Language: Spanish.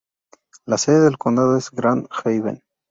La sede del condado es Grand Haven.